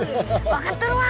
「分かっとるわ！」